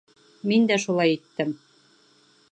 Мин дә шулай иттем.